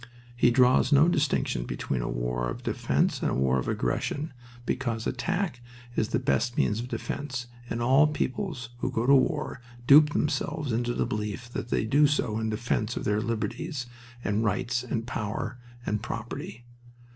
He draws no distinction between a war of defense and a war of aggression, because attack is the best means of defense, and all peoples who go to war dupe themselves into the belief that they do so in defense of their liberties, and rights, and power, and property.